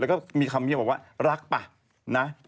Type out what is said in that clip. แล้วก็มีคำเยี่ยมว่ารักป่ะ